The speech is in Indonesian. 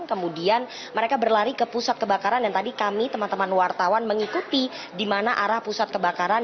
kemudian mereka berlari ke pusat kebakaran dan tadi kami teman teman wartawan mengikuti di mana arah pusat kebakaran